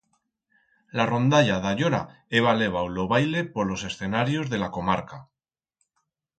La rondalla d'allora heba levau lo baile por los escenarios de la comarca.